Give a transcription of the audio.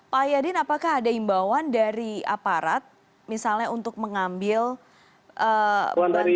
pak yadin apakah ada imbauan dari aparat misalnya untuk mengambil bantuan